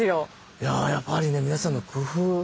いややっぱりね皆さんの工夫。